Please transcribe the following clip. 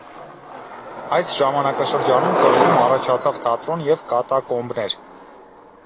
Այս ժամանակաշրջանում կղզում առաջացավ թատրոն և կատակոմբներ։